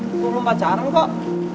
gue belum pacaran kok